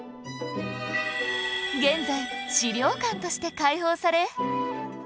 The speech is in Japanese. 現在資料館として開放され